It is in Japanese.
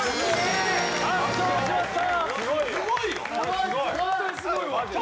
圧勝しました。